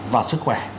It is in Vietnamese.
và sức khỏe